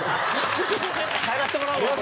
帰らせてもらうわ！